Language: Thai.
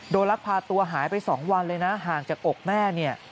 ลักพาตัวหายไป๒วันเลยนะห่างจากอกแม่เนี่ย